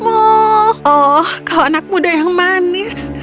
oh kau anak muda yang manis